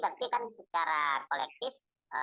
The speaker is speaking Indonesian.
tapi kan secara kolektif